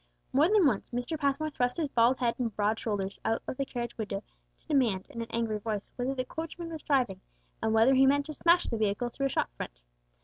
More than once Mr. Passmore thrust his bald head and broad shoulders out of the carriage window to demand, in an angry voice, whither the coachman was driving, and whether he meant to smash the vehicle through a shop front.